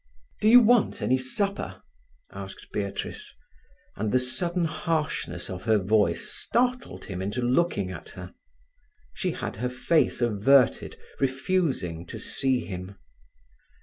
"Do you want any supper?" asked Beatrice, and the sudden harshness of her voice startled him into looking at her. She had her face averted, refusing to see him.